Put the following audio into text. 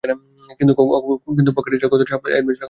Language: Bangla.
কিন্তু পকেটে ছিল গোটা পাঁচ-সাত পাতলা এডিশনের নানা ভাষার কাব্যের বই।